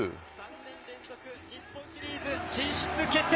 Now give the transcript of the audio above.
３年連続日本シリーズ進出決定。